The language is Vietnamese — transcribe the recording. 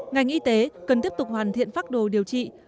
ngành y tế cần tiếp tục hoàn thiện pháp đồ điều trị